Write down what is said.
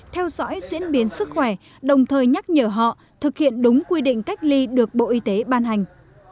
theo dõi diễn biến sức khỏe đồng thời nhắc nhở họ thực hiện đúng quy định cách ly được bộ y tế ban hành